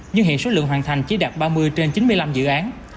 nhưng hiện số lượng hoàn thành chỉ đạt ba mươi trên chín mươi năm dự án